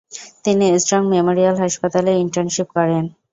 তিনি Strong Memorial হাসপাতালে internship করেন।